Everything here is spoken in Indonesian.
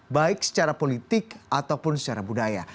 baik secara politik ataupun secara budaya